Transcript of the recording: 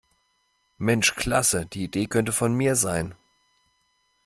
Mensch klasse, die Idee könnte von mir sein!